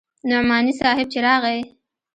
نعماني صاحب چې راغى.